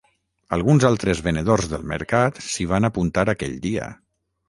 Alguns altres venedors del Mercat s'hi van apuntar aquell dia.